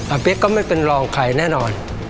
เป๊กก็ไม่เป็นรองใครแน่นอน